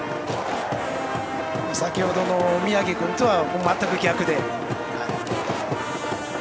先ほどの宮城君とは全く逆で。